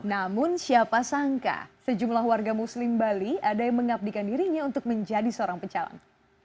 namun siapa sangka sejumlah warga muslim bali ada yang mengabdikan dirinya untuk menjadi seorang pecalang